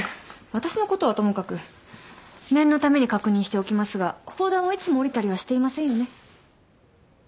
私のことはともかく念のために確認しておきますが法壇をいつもおりたりはしていませんよね？